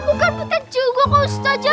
bukan peten juga kak ustazah